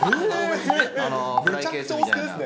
フライケースみたいな。